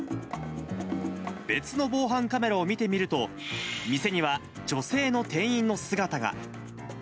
別の防犯カメラを見てみると、店には女性の店員の姿が。